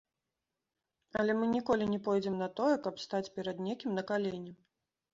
Але мы ніколі не пойдзем на тое, каб стаць перад некім на калені.